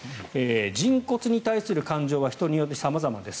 人骨に対する感情は人によって様々です。